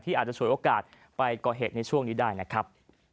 อาจจะฉวยโอกาสไปก่อเหตุในช่วงนี้ได้นะครับ